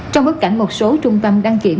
trong bất cảnh một số trung tâm đăng kiểm